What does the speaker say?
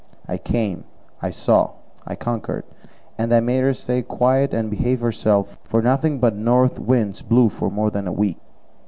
I came, I saw, I conquered, and I made her stay quiet and behave herself, for nothing but north winds blew for more than a week.